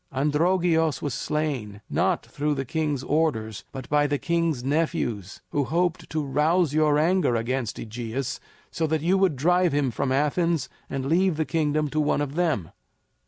Androgeos was slain, not through the king's orders but by the king's nephews, who hoped to rouse your anger against AEgeus so that you would drive him from Athens and leave the kingdom to one of them."